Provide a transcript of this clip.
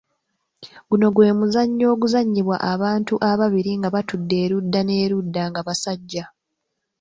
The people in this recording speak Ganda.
Guno gwe muzannyo oguzannyibwa abantu ababiri nga batudde erudda n’erudda nga basajja.